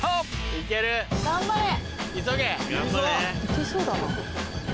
行けそうだな。